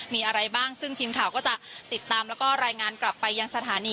มีอะไรบ้างซึ่งทีมข่าวก็จะติดตามแล้วก็รายงานกลับไปยังสถานี